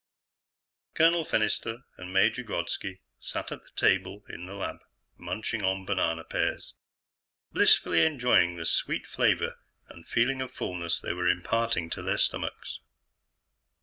Colonel Fennister and Major Grodski sat at the table in the lab, munching on banana pears, blissfully enjoying the sweet flavor and the feeling of fullness they were imparting to their stomachs.